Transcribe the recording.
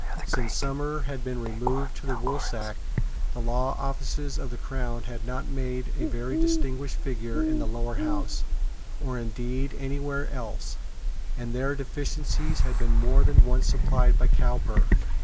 Since Somers had been removed to the Woolsack, the law officers of the Crown had not made a very distinguished figure in the Lower House, or indeed any where else; and their deficiencies had been more than once supplied by Cowper.